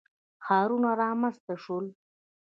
ښارونه رامنځته شول.